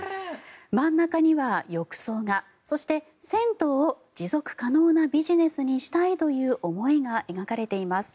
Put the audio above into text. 真ん中には浴槽がそして銭湯を持続可能なビジネスにしたいという思いが描かれています。